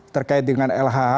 terkait dengan lha